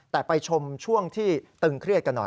แต่ไปชมช่วงที่ตึงเครียดกันหน่อย